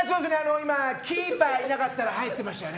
キーパーいなかったら入ってましたよね。